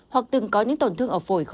hoặc từng có những tổn thương ổn định